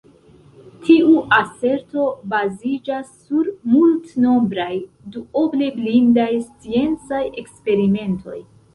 Tiu aserto baziĝas sur multnombraj, duoble blindaj sciencaj eksperimentoj.